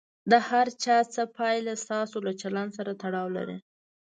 د هر څه پایله ستاسو له چلند سره تړاو لري.